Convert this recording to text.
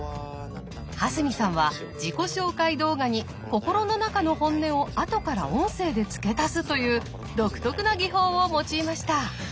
蓮見さんは自己紹介動画に心の中の本音を後から音声で付け足すという独特な技法を用いました。